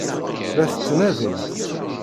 La t-ttnadint?